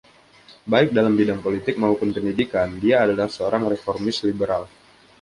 Baik dalam bidang politik maupun pendidikan, dia adalah seorang reformis liberal.